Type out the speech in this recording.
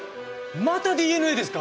またＤＮＡですか！？